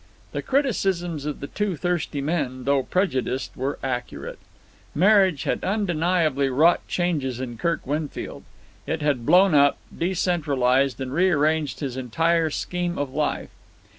The criticisms of the two thirsty men, though prejudiced, were accurate. Marriage had undeniably wrought changes in Kirk Winfield. It had blown up, decentralized, and re arranged his entire scheme of life.